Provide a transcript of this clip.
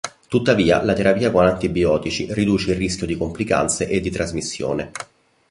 Tuttavia la terapia con antibiotici riduce il rischio di complicanze e di trasmissione.